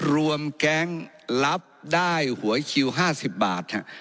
รวมแก๊งรับได้หวยคิว๕๐บาท